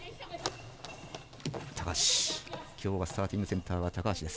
きょうスターティングセンターは高橋です。